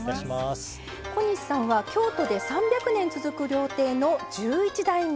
小西さんは京都で３００年続く料亭の１１代目。